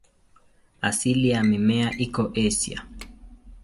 Asili ya mimea iko Asia.